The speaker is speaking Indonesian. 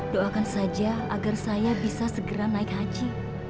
doakan saja agar saya bisa segera naik haji